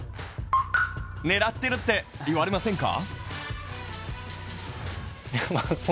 狙ってるって言われませんか？